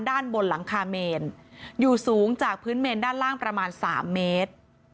ด้านบนหลังคาเมนอยู่สูงจากพื้นเมนด้านล่างประมาณ๓เมตร